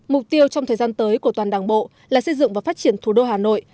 mục tiêu trong thời gian tới của toàn đảng bộ là xây dựng và phát triển thủ đô hà nội